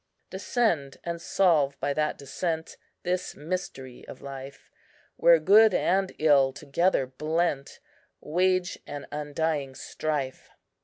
"Descend, and solve by that descent, This mystery of life; Where good and ill, together blent, Wage an undying strife.